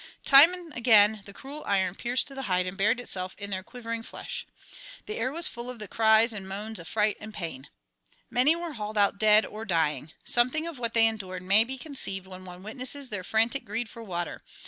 time and again the cruel iron pierced the hide and buried itself in their quivering flesh. The air was full of the cries and moans of fright and pain. Many were hauled out dead or dying. Something of what they endured may be conceived when one witnesses their frantic greed for water.